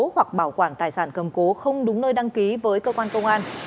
hoặc bảo quản tài sản cầm cố không đúng nơi đăng ký với cơ quan công an